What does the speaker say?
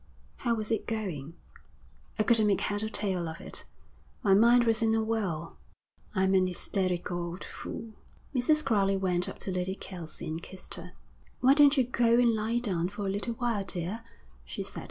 'How was it going?' 'I couldn't make head or tail of it. My mind was in a whirl. I'm an hysterical old fool.' Mrs. Crowley went up to Lady Kelsey and kissed her. 'Why don't you go and lie down for a little while, dear,' she said.